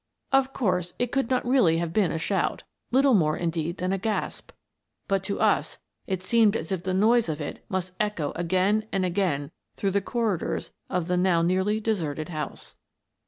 Of course, it could not really have been a shout — little more, indeed, than a gasp — but to us it 46 Miss Frances Baird, Detective seemed as if the noise of it must echo again and again through the corridors of the now nearly deserted house.